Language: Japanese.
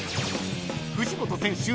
［藤本選手